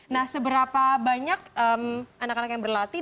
nah seberapa banyak anak anak yang berlatih